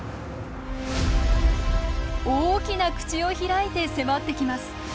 大きな口を開いて迫ってきます。